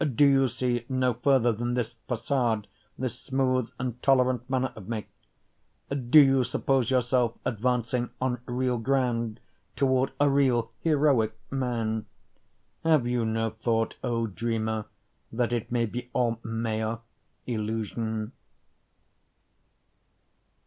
Do you see no further than this facade, this smooth and tolerant manner of me? Do you suppose yourself advancing on real ground toward a real heroic man? Have you no thought O dreamer that it may be all maya, illusion?